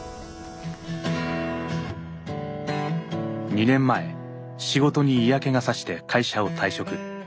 ２年前仕事に嫌気が差して会社を退職。